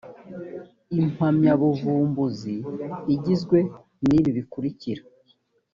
impamyabuvumbuzi igizwe n ibi bikurikira